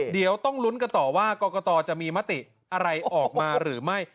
เดี๋ยวต้องลุ้นกันต่อว่ากรกตจะมีมติอะไรออกมาหรือไม่